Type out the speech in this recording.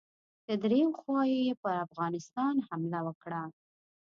د دریو خواوو یې پر افغانستان حمله وکړه.